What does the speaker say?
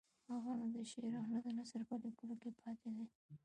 هغه نه د شعر او نه د نثر په لیکلو کې پاتې دی.